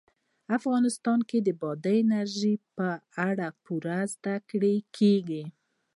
افغانستان کې د بادي انرژي په اړه پوره زده کړه کېږي.